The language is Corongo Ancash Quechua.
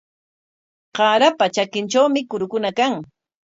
Qaarapa trakintrawmi kurukuna kan.